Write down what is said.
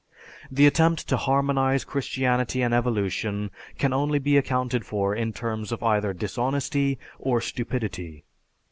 The attempt to harmonize Christianity and Evolution can only be accounted for in terms of either dishonesty or stupidity.